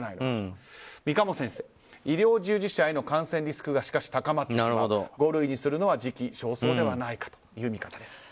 ただ三鴨先生、医療従事者への感染リスクが高まるので五類にするのは時期尚早ではないかとの見方です。